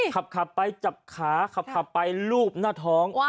ขับไปจับขาขับไปลูบหน้าท้อง